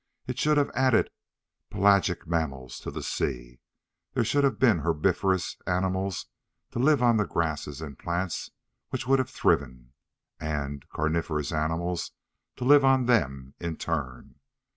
It should have added pelagic mammals to the seas. There should have been herbivorous animals to live on the grasses and plants which would have thriven, and carnivorous animals to live on them in turn.